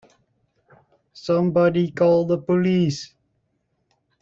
Somebody call the police!